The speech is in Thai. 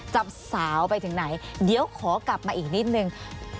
สาวไปถึงไหนเดี๋ยวขอกลับมาอีกนิดนึง